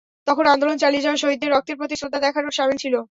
তখন আন্দোলন চালিয়ে যাওয়া শহীদদের রক্তের প্রতি শ্রদ্ধা দেখানোর শামিল ছিল।